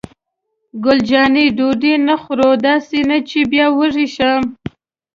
ګل جانې: ډوډۍ نه خورو؟ داسې نه چې بیا وږې شم.